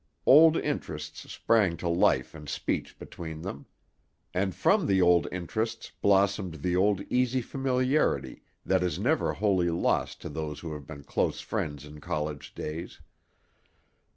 ———— Old interests sprang to life and speech between them. And from the old interests blossomed the old easy familiarity that is never wholly lost to those who have been close friends in college days.